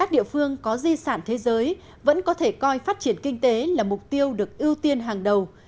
địa phương có di sản thế giới vẫn có thể coi phát triển kinh tế là mục tiêu được ưu tiên hàng đầu